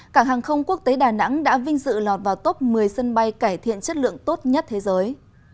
cảng hàng không quốc tế đà nẵng đã vinh dự lọt vào top một mươi sân bay cải thiện chất lượng tốt nhất thế giới